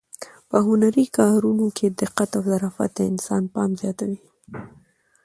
په هنري کارونو کې دقت او ظرافت د انسان پام زیاتوي.